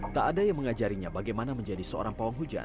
tak ada yang mengajarinya bagaimana menjadi seorang pawang hujan